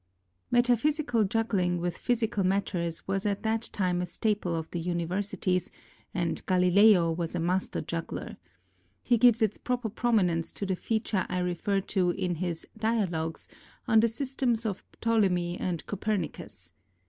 Metaphysical juggling with physical matters was at that time a staple of the universities, and Galileo was a master juggler. He gives its proper prominence to the feature I refer to in his Dialogues on the systems of Rtolemy and Copernicus.